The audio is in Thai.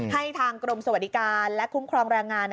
ให้ทางกรมสวัสดิการและคุ้มครองแรงงาน